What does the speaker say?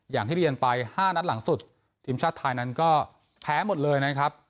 อย่างที่เรียนไป๕นัดหลังสุดทีมชาติไทยนั้นก็แพ้หมดเลยนะครับ